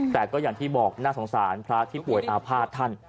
แต่ก็อย่างที่บอกน่าสงสารพระที่ป่วยอาภาษณ์ท่าน